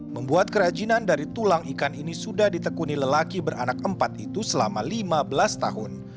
membuat kerajinan dari tulang ikan ini sudah ditekuni lelaki beranak empat itu selama lima belas tahun